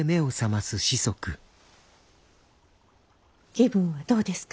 気分はどうですか？